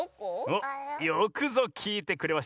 およくぞきいてくれました！